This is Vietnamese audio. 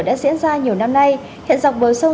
đã diễn ra nhiều năm nay hiện dọc bờ sông